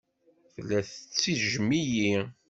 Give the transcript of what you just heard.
Tella tettejjem-iyi.